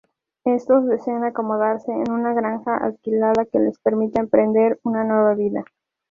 Estos desean acomodarse en una granja alquilada que les permita emprender una nueva vida.